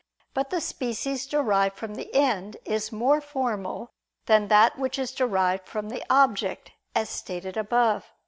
But the species derived from the end, is more formal than that which is derived from the object, as stated above (A.